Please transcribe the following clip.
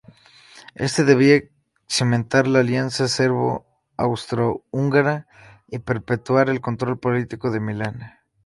Esta debía cimentar la alianza serbo-austrohúngara y perpetuar el control político de Milan.